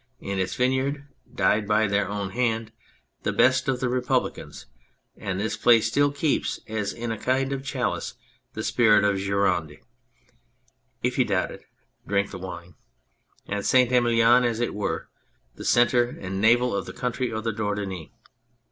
In its vineyards died by their own hand the best of the Republicans, and this place still keeps, as in a kind of chalice, the spirit of the Gironde. If you doubt it, drink the wine. And St. Emilion is, as it were, the centre and navel of the country of the Dordogne.